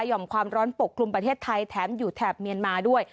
่อมความร้อนปกคลุมประเทศไทยแถมอยู่แถบเมียนมาด้วย